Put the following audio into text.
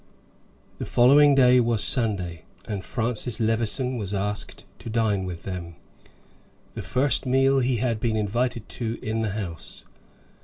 The following day was Sunday, and Francis Levison was asked to dine with them the first meal he had been invited to in the house.